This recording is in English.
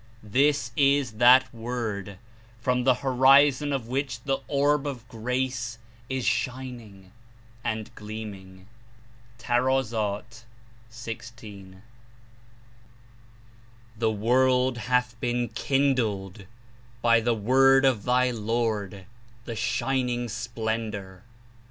This Is that Word, from the horizon of which the Orb of Grace Is shining and gleaming!" (Tar. 16.) 11 "The world hath been kindled by the Word of thy Lord, the Shining Splendor.